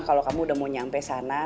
kalau kamu udah mau nyampe sana